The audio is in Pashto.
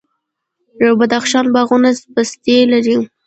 د بدخشان باغونه پستې لري.